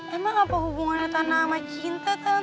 emang apa hubungannya tanah sama cinta tante